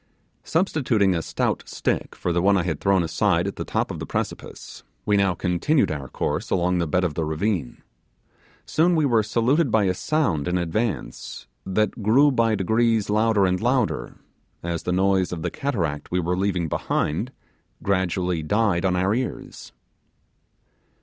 Substituting a stout stick for the one I had thrown aside at the top of the precipice, we now continued our course along the bed of the ravine. Soon we were saluted by a sound in advance, that grew by degrees louder and louder, as the noise of the cataract we were leaving behind gradually died on our ears.